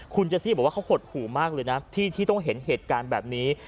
คุณเจซี่บอกว่าเขาหดหูมากเลยนะที่ต้องเห็นเหตุการณ์แบบนี้